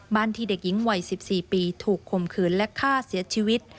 ที่เด็กหญิงวัย๑๔ปีถูกคมคืนและฆ่าเสียชีวิต